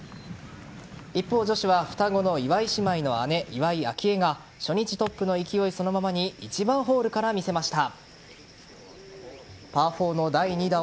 一方、女子は双子の岩井姉妹の姉・岩井明愛が初日トップの勢いそのままに１番ホールから見せました。